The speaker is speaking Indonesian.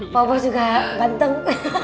papa juga ganteng